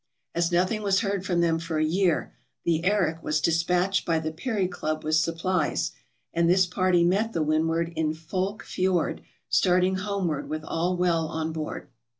As nothing was heard from them for a year, the "Erik" was despatched by the Peary Club with supplies, and this party met the " Windward" in Foulke Fiord, starting homeward with all well on board.